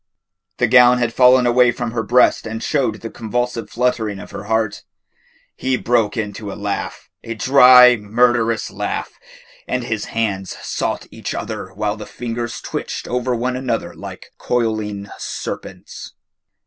The gown had fallen away from her breast and showed the convulsive fluttering of her heart. He broke into a laugh, a dry, murderous laugh, and his hands sought each other while the fingers twitched over one another like coiling serpents.